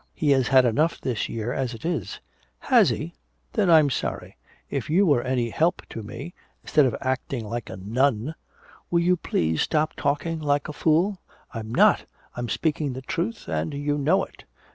He has had enough this year as it is!" "Has he? Then I'm sorry! If you were any help to me instead of acting like a nun " "Will you please stop talking like a fool?" "I'm not! I'm speaking the truth and you know it!